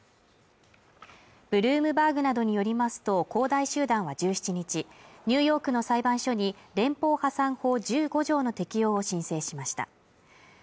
ブルームバーグなどによりますと恒大集団は１７日ニューヨークの裁判所に連邦破産法１５条の適用を申請しました